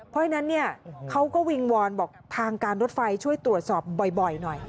เพราะฉะนั้นเนี่ยเขาก็วิงวอนบอกทางการรถไฟช่วยตรวจสอบบ่อยหน่อย